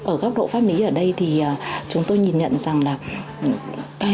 ở góc độ pháp lý ở đây thì chúng tôi nhìn nhận rằng là